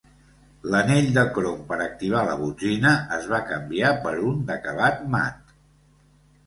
L'anell de crom per activar la botzina es va canviar per un d'acabat mat.